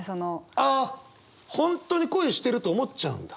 ああ本当に恋してると思っちゃうんだ。